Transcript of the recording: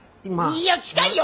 いや近いよ！